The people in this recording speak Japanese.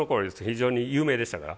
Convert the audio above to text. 非常に有名でしたから。